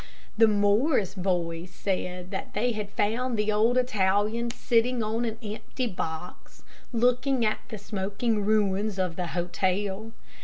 The Morris boys said that they found the old Italian sitting on an empty box, looking at the smoking ruins of the hotel.